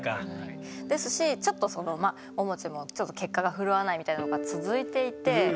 ですしちょっとそのまあももちもちょっと結果が振るわないみたいなのが続いていて。